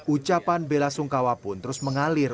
ucapan bela sungkawa pun terus mengalir